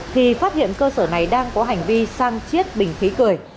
thì phát hiện cơ sở này đang có hành vi sang chiết bình khí cười